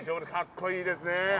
かっこいいですね。